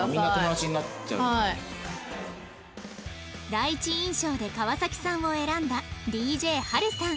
第一印象で川崎さんを選んだ ＤＪＨＡＬ さん